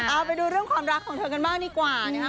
เอาไปดูเรื่องความรักของเธอกันบ้างดีกว่านะครับ